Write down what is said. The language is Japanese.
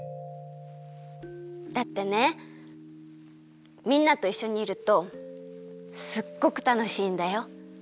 だってねみんなといっしょにいるとすっごくたのしいんだよ。